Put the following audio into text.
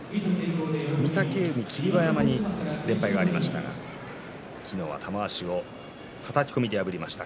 御嶽海、霧馬山に連敗がありましたが昨日は玉鷲をはたき込みで破りました。